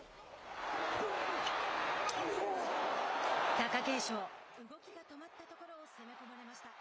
貴景勝動きが止まったところを攻め込まれました。